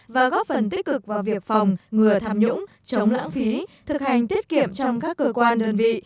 và góp phần tích cực vào việc phòng ngừa tham nhũng chống lãng phí thực hành tiết kiệm trong các cơ quan đơn vị